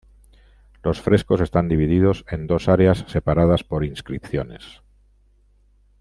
Los frescos están divididos en dos áreas separadas por inscripciones.